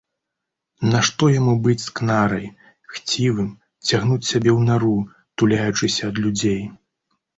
Нашто яму быць скнарай, хцівым, цягнуць сабе у нару, туляючыся ад людзей?